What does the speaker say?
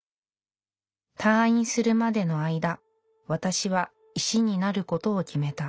「退院するまでの間私は石になることを決めた」。